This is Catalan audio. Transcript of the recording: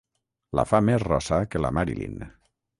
La fa més rossa que la Marilyn.